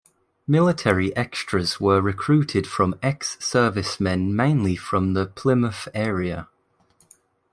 Military extras were recruited from ex-servicemen mainly from the Plymouth area.